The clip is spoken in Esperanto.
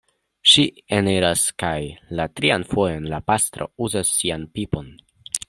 Ŝi eniras kaj la trian fojon la pastro uzas sian pipon...